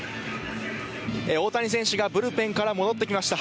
大谷選手がブルペンから戻ってきました。